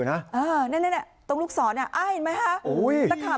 แบบนี้แหละค่ะ